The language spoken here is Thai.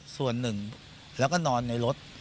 ส่วนหนึ่งแล้วก็นอนในรถ